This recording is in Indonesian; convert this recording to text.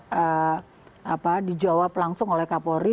jadi apa dijawab langsung oleh kapolri